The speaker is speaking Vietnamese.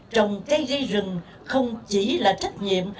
trồng cây dây rừng không chỉ là trách nhiệm